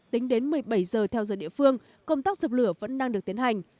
tính đến một mươi bảy giờ theo giờ địa phương công tác dập lửa vẫn đang được tiến hành